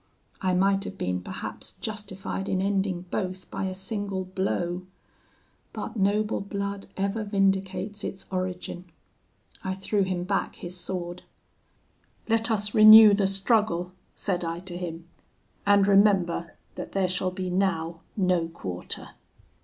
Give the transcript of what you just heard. I might have been perhaps justified in ending both by a single blow; but noble blood ever vindicates its origin. I threw him back his sword. 'Let us renew the struggle,' said I to him, 'and remember that there shall be now no quarter.'